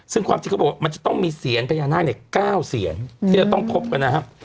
ซึ่งความจริงเขาบอกว่ามันจะต้องมีเสียญพญานาค๙เสียนที่จะต้องพบกันนะครับ